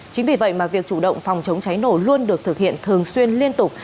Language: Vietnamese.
chính vì vậy mà việc chủ động phòng chống cháy nổ luôn được thực hiện thường xuyên liên tục